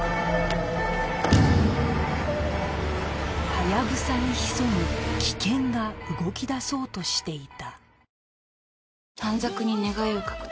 ハヤブサに潜む危険が動きだそうとしていた